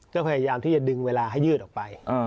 ก็พยายามที่จะดึงเวลาให้ยืดออกไป